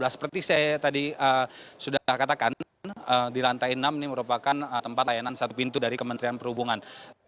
seperti saya tadi sudah katakan di lantai enam ini merupakan tempat layanan satu pintu dari kementerian perhubungan